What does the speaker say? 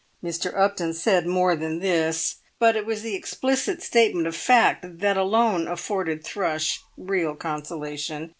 Mr. Upton said more than this, but it was the explicit statement of fact that alone afforded Thrush real consolation.